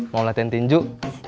mau latihan tinjauan